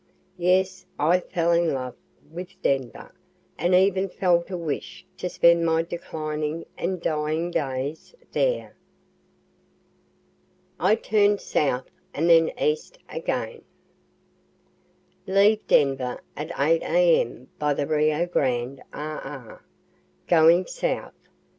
Yes, I fell in love with Denver, and even felt a wish to spend my declining and dying days there. I TURN SOUTH AND THEN EAST AGAIN Leave Denver at 8 A.M. by the Rio Grande RR. going south.